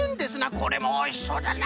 これもおいしそうだな！